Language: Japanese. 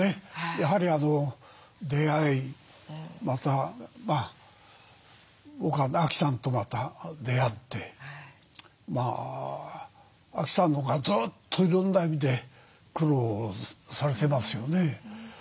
やはり出会いまた亜希さんとまた出会って亜希さんのほうがずっといろんな意味で苦労されてますよね。